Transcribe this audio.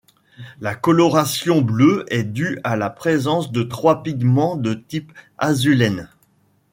La coloration bleue est due à la présence de trois pigments de type azulène.